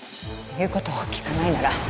言う事を聞かないなら。